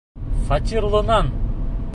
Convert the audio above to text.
Фатирлынан!